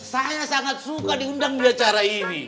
saya sangat suka diundang di acara ini